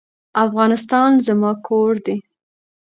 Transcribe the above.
افغانستان زما کور دی.